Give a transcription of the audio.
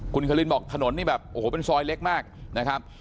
คุณคาลินบอกถนนนี่แบบโอ้โหเป็นซอยเล็กมากนะครับ